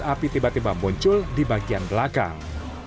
api tiba tiba muncul di bagian belakang